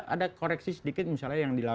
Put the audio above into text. ada koreksi sedikit misalnya yang dilakukan